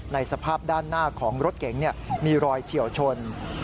สภาพด้านหน้าของรถเก๋งมีรอยเฉียวชน